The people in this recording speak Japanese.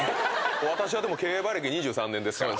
私はでも競馬歴２３年ですから。